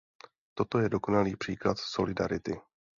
Toto je dokonalý příklad solidarity.